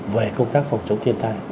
về công tác phòng chống thiên tai